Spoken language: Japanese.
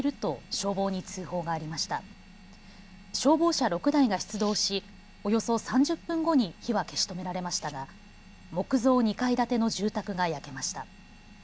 消防車６台が出動しおよそ３０分後に火は消し止められましたが木造２階建ての住宅が焼けました。